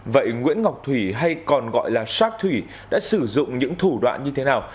vậy nguyễn ngọc thủy hay còn gọi là shark thủy đã sử dụng những thủ đoạn như thế nào